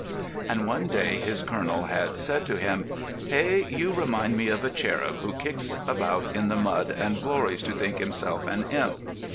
B. And one day his colonel had said to him: "Hey, you remind me of a cherub who kicks about in the mud and glories to think himself an imp."